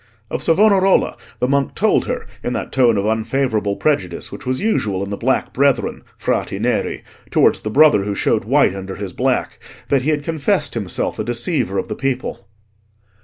Of Savonarola the monk told her, in that tone of unfavourable prejudice which was usual in the Black Brethren (Frati Neri) towards the brother who showed white under his black, that he had confessed himself a deceiver of the people.